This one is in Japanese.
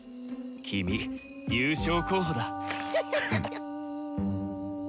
君優勝候補だ！